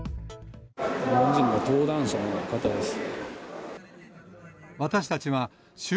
日本人の登壇者の方です。